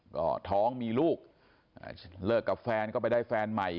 ก็ท้องมีลูกเลิกกับแฟนก็ไปได้แฟนใหม่